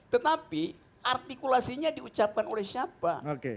tetapi artikulasinya diucapkan oleh siapa